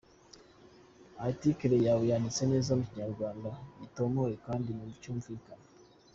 Article yawe yanditse neza mu Kinyarwanda gitomoye kandi cyumvikana.